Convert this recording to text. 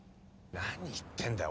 何言ってんだよ。